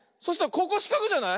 ここしかくじゃない？